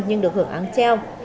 nhưng được hưởng án treo